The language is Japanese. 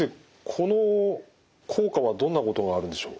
この効果はどんなことがあるんでしょう？